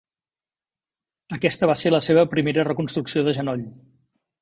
Aquesta va ser la seva primera reconstrucció de genoll.